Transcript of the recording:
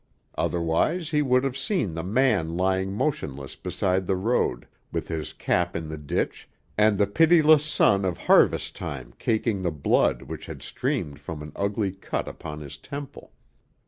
Otherwise he would have seen the man lying motionless beside the road, with his cap in the ditch and the pitiless sun of harvest time caking the blood which had streamed from an ugly cut upon his temple.